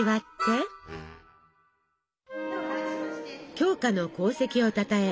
鏡花の功績をたたえ